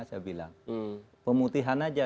saya bilang pemutihan saja